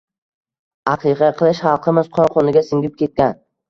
Aqiqa qilish xalqimiz qon-qoniga singib ketgan.